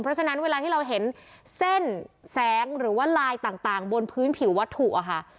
เพราะฉะนั้นเวลาที่เราเห็นเส้นแสงหรือว่าลายต่างบนพื้นผิววัตถุอะค่ะ